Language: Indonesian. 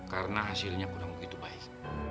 karena hasilnya kurang begitu baik